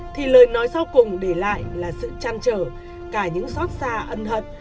thì lời nói sau cùng để lại là sự chăn trở cả những xót xa ân hật